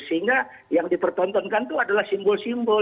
sehingga yang dipertontonkan itu adalah simbol simbol